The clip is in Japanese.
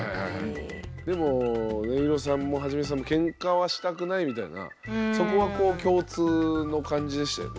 でもねいろさんもはちみつさんもケンカはしたくないみたいなそこは共通の感じでしたよね。